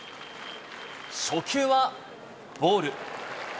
初球はボール。